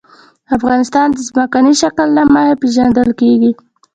افغانستان د ځمکنی شکل له مخې پېژندل کېږي.